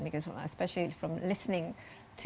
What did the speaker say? karena terutama dari mendengar anda